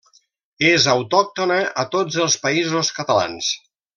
És autòctona a tots els Països Catalans.